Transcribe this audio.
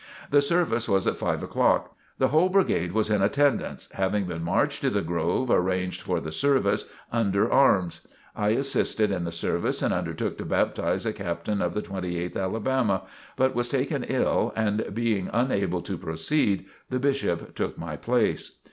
The service was at five o'clock. The whole brigade was in attendance, having been marched to the grove arranged for the service, under arms. I assisted in the service and undertook to baptize a captain of the Twenty eighth Alabama, but was taken ill, and being unable to proceed, the Bishop took my place.